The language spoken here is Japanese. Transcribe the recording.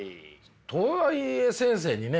とはいえ先生にね。